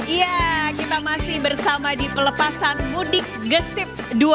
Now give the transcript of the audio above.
ya kita masih bersama di pelepasan mudik gesit dua ribu dua puluh